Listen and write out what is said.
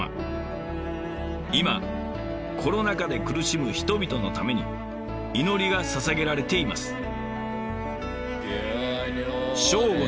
今コロナ禍で苦しむ人々のために祈りがささげられています。